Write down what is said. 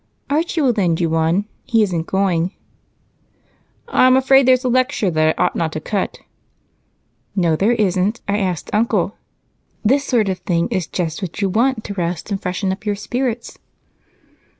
"Archie will lend you one he isn't going." "I'm afraid there's a lecture that I ought not to cut." "No, there isn't I asked Uncle." "I'm always so tired and dull in the evening." "This sort of thing is just what you want to rest and freshen up your spirits."